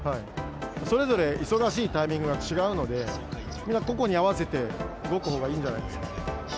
それぞれ忙しいタイミングが違うので、皆個々に合わせて動くほうがいいんじゃないですか。